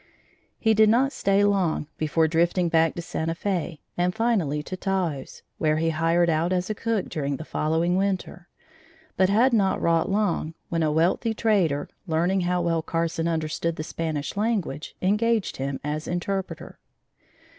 He did not stay long before drifting back to Santa Fe, and finally to Taos, where he hired out as a cook during the following winter, but had not wrought long, when a wealthy trader, learning how well Carson understood the Spanish language, engaged him as interpreter.